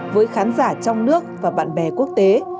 với khán giả trong nước và bạn bè quốc tế